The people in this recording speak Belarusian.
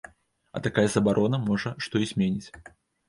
А такая забарона, можа, што і зменіць.